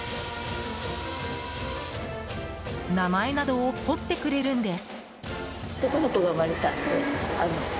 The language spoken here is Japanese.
名前などを彫ってくれるんです。